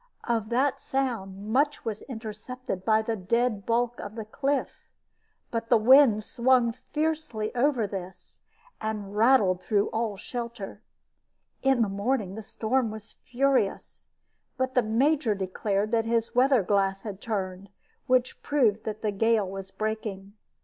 Of that sound much was intercepted by the dead bulk of the cliff, but the wind swung fiercely over this, and rattled through all shelter. In the morning the storm was furious; but the Major declared that his weather glass had turned, which proved that the gale was breaking.